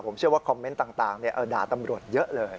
ผมเชื่อว่าคอมเมนต์ต่างด่าตำรวจเยอะเลย